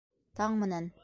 Таң менән.